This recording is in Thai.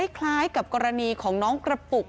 คล้ายกับกรณีของน้องกระปุก